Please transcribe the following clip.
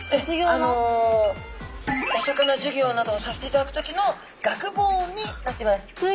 あのお魚授業などをさせていただく時の学帽になってます。